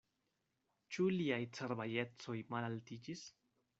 Ĉu liaj cerbaj ecoj malaltiĝis?